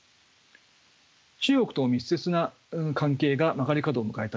中国との密接な関係が曲がり角を迎えた